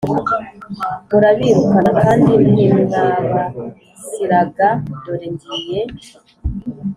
Murabirukana kandi ntimwabas raga dore ngiye